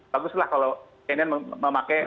baguslah kalau cnn memakai